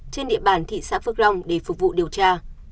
trên địa bàn thị xã phước long để phục vụ điều tra